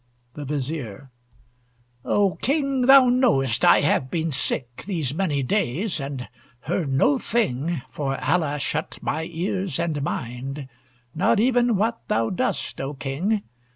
THE VIZIER O King, thou know'st, I have been sick These many days, and heard no thing (For Allah shut my ears and mind), Not even what thou dost, O King!